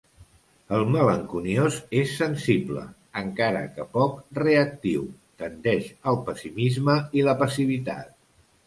El malenconiós és sensible, encara que poc reactiu; tendeix al pessimisme i la passivitat.